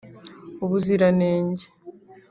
ubuziranenge